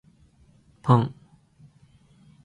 パン